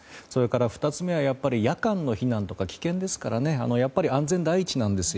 ２つ目は夜間の避難とか危険ですから安全第一なんですよ。